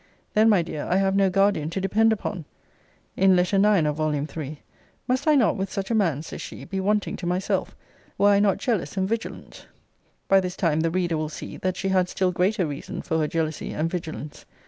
Then, my dear, I have no guardian to depend upon. In Letter IX. of Vol. III. Must I not with such a man, says she, be wanting to myself, were I not jealous and vigilant? By this time the reader will see, that she had still greater reason for her jealousy and vigilance.